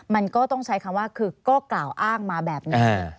มันก็ต้องใช้คำว่าคือก็กล่าวอ้างมาแบบนั้น